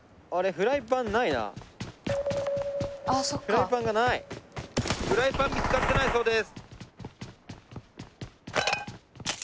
フライパン見つかってないそうです。